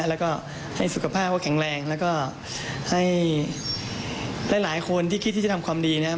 แล้วก็ให้สุขภาพเขาแข็งแรงแล้วก็ให้หลายคนที่คิดที่จะทำความดีนะครับ